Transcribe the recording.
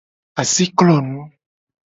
Asi klonu.